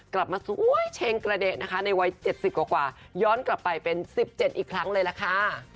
กลับมาสวยเช็งกระเดะนะคะในวัยเจ็ดสิบกว่ากว่าย้อนกลับไปเป็นสิบเจ็ดอีกครั้งเลยละค่ะ